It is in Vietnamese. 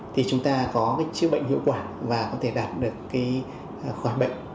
thì chúng ta có chiếc bệnh hiệu quả và có thể đạt được khỏe bệnh